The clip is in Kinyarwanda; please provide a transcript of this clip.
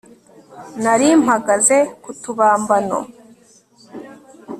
Nari mpagaze ku tubambano